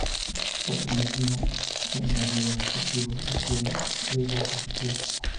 Por tener clima semiárido los cultivos requieren riego artificial.